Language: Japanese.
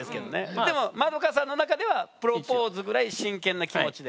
でも円さんの中ではプロポーズぐらい真剣な気持ちで。